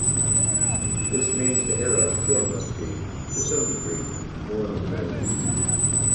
This means the hero still must be - to some degree - morally grounded.